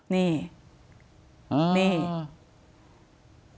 นี่นี่อ่า